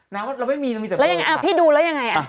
น้ำว่าเราไม่มีน้ำมีแต่โฟล์ค่ะแล้วยังไงอ่ะพี่ดูแล้วยังไงอ่ะ